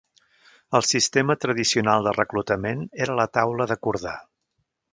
El sistema tradicional de reclutament era la taula d'acordar.